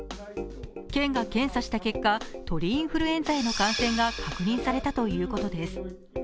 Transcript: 県が検査した結果、鳥インフルエンザへの感染が確認されたということです。